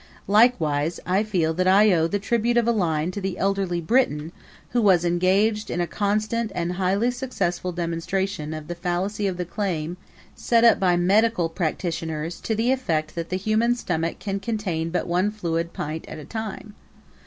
Likewise I feel that I owe the tribute of a line to the elderly Britain who was engaged in a constant and highly successful demonstration of the fallacy of the claim set up by medical practitioners, to the effect that the human stomach can contain but one fluid pint at a time.